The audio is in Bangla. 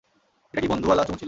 এটা কি বন্ধুওয়ালা চুমু ছিল?